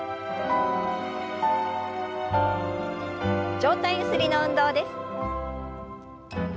上体ゆすりの運動です。